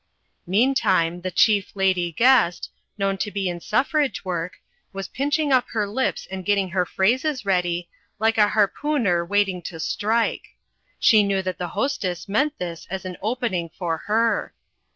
Meantime the Chief Lady Guest, known to be in suffrage work, was pinching up her lips and getting her phrases ready, like a harpooner waiting to strike. She knew that the Hostess meant this as an opening for her.